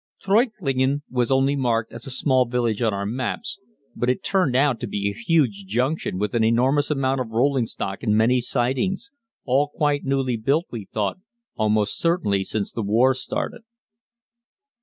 Treuchtlingen was only marked as a small village on our maps, but it turned out to be a huge junction with an enormous amount of rolling stock and many sidings all quite newly built, we thought almost certainly since the war started.